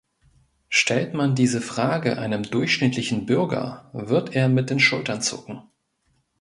Stellt man diese Frage einem durchschnittlichen Bürger, wird er mit den Schultern zucken.